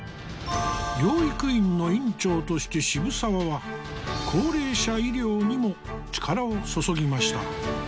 養育院の院長として渋沢は高齢者医療にも力を注ぎました。